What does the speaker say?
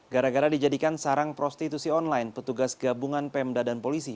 gara gara dijadikan sarang prostitusi online petugas gabungan pemda dan polisi